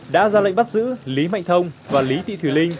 đã ra lệnh bắt giữ lý mạnh thông và lý thị thùy linh